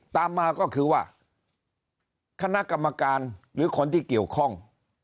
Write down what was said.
ตามมาก็คือว่าคณะกรรมการหรือคนที่เกี่ยวข้อง